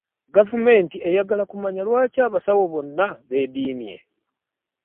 Gavumenti eyagala kumanya lwaki abasawo bonna beediimye?